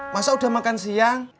masa udah makan siang